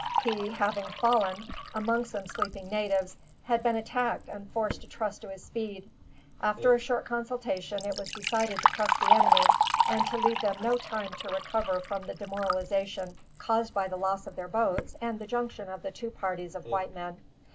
He, having fallen among some sleeping natives, had been attacked and forced to trust to his speed. After a short consultation it was decided to press the enemy, and to leave them no time to recover from the demoralization caused by the loss of their boats, and the junction of the two parties of white men.